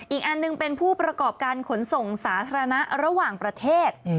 อีกอันหนึ่งเป็นผู้ประกอบการขนส่งสาธารณะระหว่างประเทศ